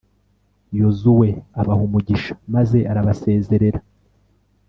yozuwe abaha umugisha maze arabasezerera